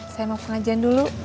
saya mau pengajian dulu